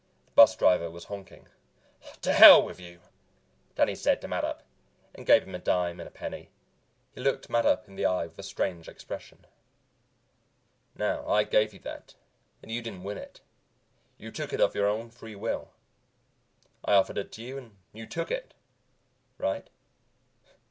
The bus driver was honking. "The hell with you," Danny said to Mattup, and gave him a dime and a penny. He looked Mattup in the eye with a strange expression. "Now, I gave you that and you didn't win it. You took it of your own free will. I offered it to you and you took it. Right?"